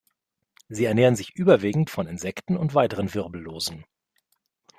Sie ernähren sich überwiegend von Insekten und weiteren Wirbellosen.